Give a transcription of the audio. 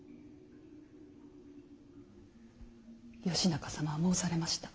義仲様は申されました。